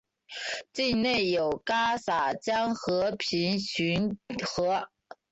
境内有戛洒江和平甸河。